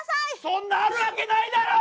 そんなんあるわけないだろ！